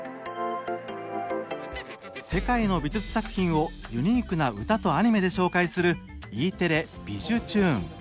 世界の美術作品をユニークな歌とアニメで紹介するＥテレ「びじゅチューン！」。